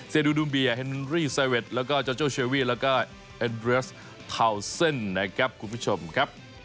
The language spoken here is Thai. ดูดูมเบียเฮนรี่ไซเวทแล้วก็โจโจเชอรี่แล้วก็เอ็นเรสทาวน์เซ่นนะครับคุณผู้ชมครับ